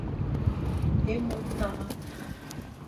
Ê mo tare.